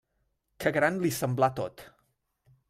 Que gran li semblà tot!